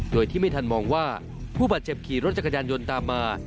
โดยที่ไม่ทันมองว่าผู้บาดเจ็บขี่รถจักรยานยนต์ตามมา